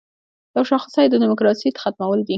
یوه شاخصه یې د دیموکراسۍ ختمول دي.